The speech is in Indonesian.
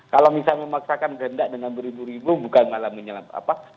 kalau misalnya memaksakan kehendak dengan beribu ribu bukan malah menyelamatkan apa